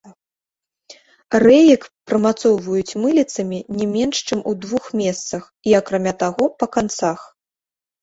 Рэек прымацоўваюць мыліцамі не менш чым у двух месцах, і, акрамя таго, па канцах.